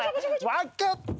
分かった。